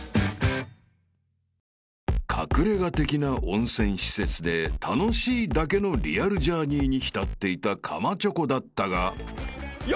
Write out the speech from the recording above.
［隠れ家的な温泉施設で楽しいだけのリアルジャーニーにひたっていたかまチョコだったが］